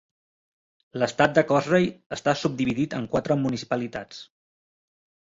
L'estat de Kosrae està subdividit en quatre municipalitats.